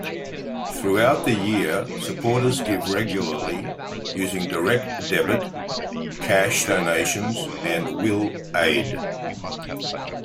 Throughout the year supporters give regularly using direct debit, cash donations, and Will Aid.